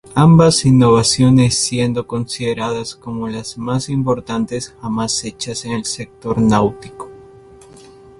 Ambas innovaciones siendo consideradas como las más importantes jamás hechas en el sector náutico.